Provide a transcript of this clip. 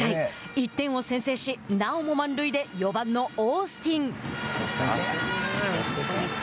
１点を先制しなおも満塁で４番のオースティン。